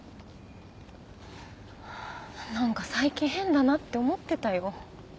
なんか最近変だなって思ってたよ。